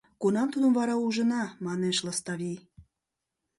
Кунам тудым вара ужына? — манеш Лыставий.